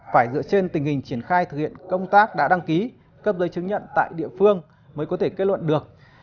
phải dựa trên tình hình triển khai thực hiện công tác đã đăng ký cấp giấy chứng nhận tại địa phương mới có thể kết luận được